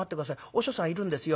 お師匠さんいるんですよ。